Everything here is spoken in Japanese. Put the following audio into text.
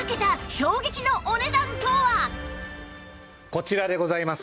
こちらでございます。